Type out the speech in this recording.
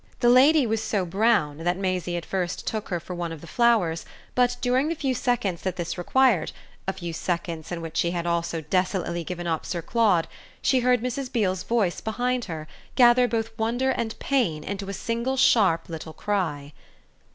The lady was so brown that Maisie at first took her for one of the Flowers; but during the few seconds that this required a few seconds in which she had also desolately given up Sir Claude she heard Mrs. Beale's voice, behind her, gather both wonder and pain into a single sharp little cry.